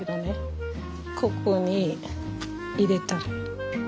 ここに入れたれ。